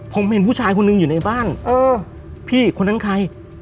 ผมเห็นผู้ชายคนหนึ่งอยู่ในบ้านเออพี่คนนั้นใคร